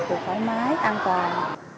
được thoải mái an toàn